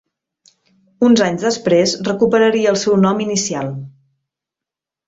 Uns anys després recuperaria el seu nom inicial.